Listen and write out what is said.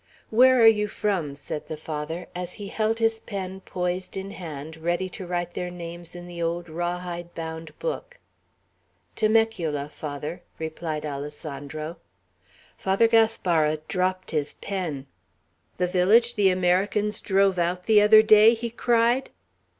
"Where are you from?" said the Father, as he held his pen poised in hand, ready to write their names in the old raw hide bound book. "Temecula, Father," replied Alessandro. Father Gaspara dropped his pen. "The village the Americans drove out the other day?" he cried.